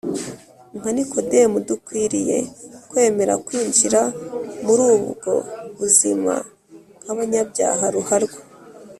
Nka Nikodemo, dukwiriye kwemera kwinjira mur’ubwo buzima nk’abanyabyaha ruharwa